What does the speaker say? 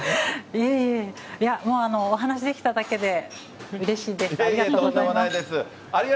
いえいえ、いや、もうお話しできただけで、うれしいです。